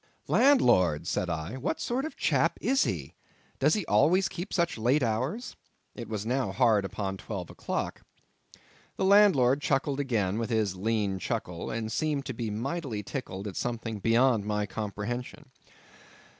"Landlord!" said I, "what sort of a chap is he—does he always keep such late hours?" It was now hard upon twelve o'clock. The landlord chuckled again with his lean chuckle, and seemed to be mightily tickled at something beyond my comprehension.